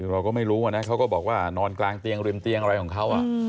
เราก็ไม่รู้นะเขาก็บอกว่านอนกลางเตียงริมเตียงอะไรของเขา